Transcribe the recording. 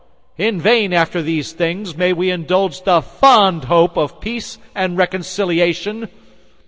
In vain, after these things, may we indulge the fond hope of peace and reconciliation.